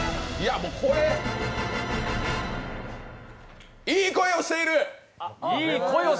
これいい声をしている！